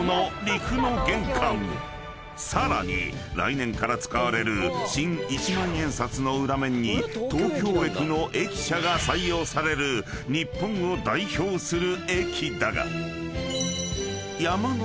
［さらに来年から使われる新一万円札の裏面に東京駅の駅舎が採用される］ホンマですね！